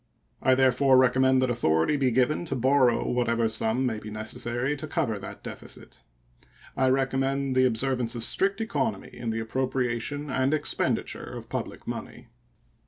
I therefore recommend that authority be given to borrow what ever sum may be necessary to cover that deficit. I recommend the observance of strict economy in the appropriation and expenditure of public money.